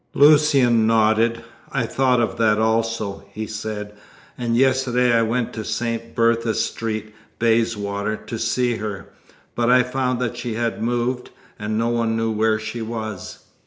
Lucian nodded. "I thought of that also," he said, "and yesterday I went to St. Bertha Street, Bayswater, to see her. But I found that she had moved, and no one knew where she was.